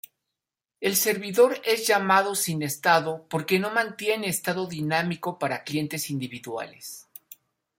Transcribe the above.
El servidor es llamado sin estado porque no mantiene estado dinámico para clientes individuales.